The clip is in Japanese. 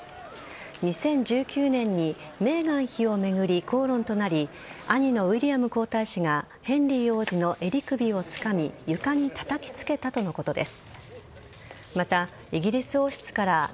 ２０１９年にメーガン妃を巡り口論となり兄のウィリアム皇太子がヘンリー王子の襟首をつかみ床にたたき付けたとのことです。